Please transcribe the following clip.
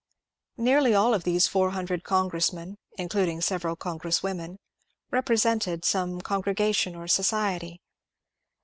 Nearly all of these 400 congressmen (including several congresswomen) repre sented some congregation or society.